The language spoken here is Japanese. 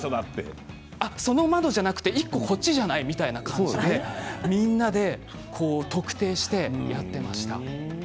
その窓じゃなくて１個こっちじゃない？という感じでみんなで特定してやっていました。